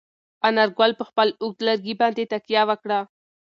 انارګل په خپل اوږد لرګي باندې تکیه وکړه.